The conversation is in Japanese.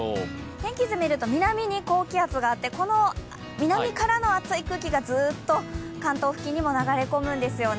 天気図を見るとこりの南からの暑い空気がずっと関東付近にも流れ込むんですよね。